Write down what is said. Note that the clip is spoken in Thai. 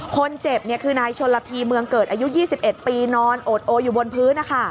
คนเจ็บคือนายชนละพีเมืองเกิดอายุ๒๑ปีนอนโอดโออยู่บนพื้น